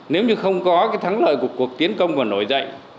nếu như không có thắng lợi của cuộc tiến công và nổi dậy